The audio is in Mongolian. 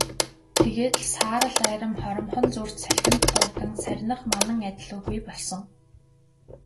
Тэгээд л саарал арми хоромхон зуурт салхинд туугдан сарних манан адил үгүй болсон.